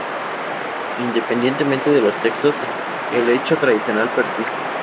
Independientemente de los textos, el hecho tradicional persiste.